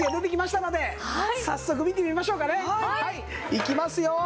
いきますよ。